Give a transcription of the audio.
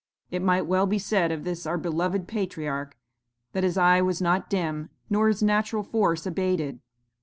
It might well be said of this our beloved patriarch, that his eye was not dim, nor his natural force abated.